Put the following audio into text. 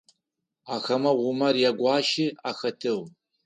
Ахэмэ Умар ягуащи ахэтыгъ.